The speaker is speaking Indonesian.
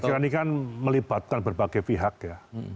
saya kira ini kan melibatkan berbagai pihak ya